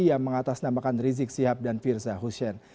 yang mengatas nambahkan rizik sihab dan firza hussein